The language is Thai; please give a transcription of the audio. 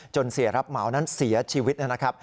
เสียรับเหมานั้นเสียชีวิตนะครับ